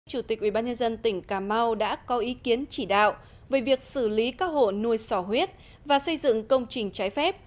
chủ tịch ubnd tỉnh cà mau đã có ý kiến chỉ đạo về việc xử lý các hộ nuôi sò huyết và xây dựng công trình trái phép